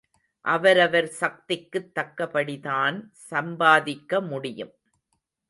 அவரவர் சக்திக்குத் தக்க படிதான் சம்பாதிக்க முடியும்.